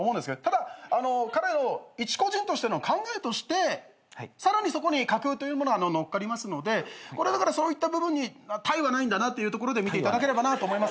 ただあの彼の一個人としての考えとしてさらにそこに架空というものがのっかりますのでこれはだからそういった部分に他意はないんだなっていうところで見ていただければなと思います。